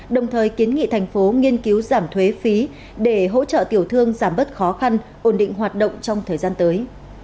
đồng thời kiến nghị thành phố nghiên cứu giảm thuế phí để hỗ trợ tiểu thương giảm bớt khó khăn ổn định hoạt động trong thời gian tới